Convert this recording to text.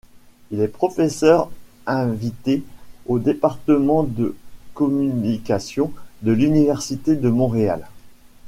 Il est professeur invité au département de communication de l'Université de Montréal.